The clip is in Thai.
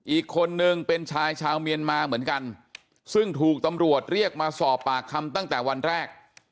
อีกคนนึงเป็นชายชาวเมียนมาเหมือนกันซึ่งถูกตำรวจเรียกมาสอบปากคำตั้งแต่วันแรก